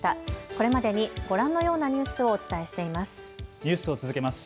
これまでにご覧のようなニュースをお伝えしています。